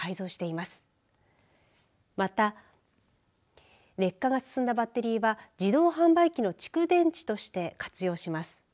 また、劣化が進んだバッテリーは自動販売機の蓄電池として活用します。